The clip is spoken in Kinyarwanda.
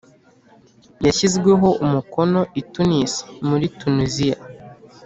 yashyizweho umukono i tunis muri muri tuniziya